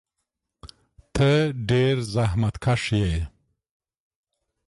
ته ډېر زحمتکښ یې.